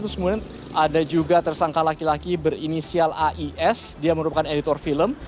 terus kemudian ada juga tersangka laki laki berinisial ais dia merupakan editor film